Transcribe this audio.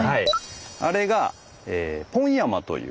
あれがポン山という。